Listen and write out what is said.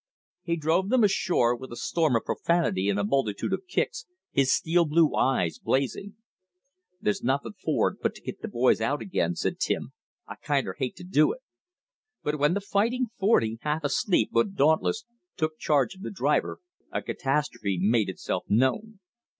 He drove them ashore with a storm of profanity and a multitude of kicks, his steel blue eyes blazing. "There's nothing for it but to get the boys out again," said Tim; "I kinder hate to do it." But when the Fighting Forty, half asleep but dauntless, took charge of the driver, a catastrophe made itself known.